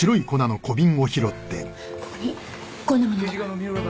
ここにこんなものが。